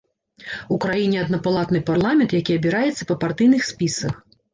У краіне аднапалатны парламент, які абіраецца па партыйных спісах.